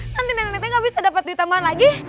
nanti nenek neneknya gak bisa dapat duit tambahan lagi